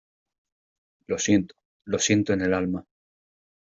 lo siento, lo siento en el alma.